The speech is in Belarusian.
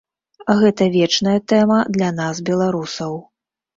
Гэта вечная тэма для нас, беларусаў.